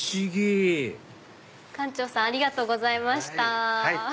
館長さんありがとうございました。